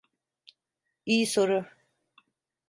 İyi soru.